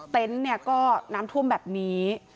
เต็นต์ก็น้ำท่วมแบบนี้